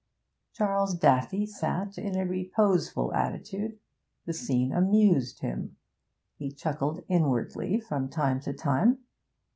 Charles Daffy sat in a reposeful attitude. The scene amused him; he chuckled inwardly from time to time.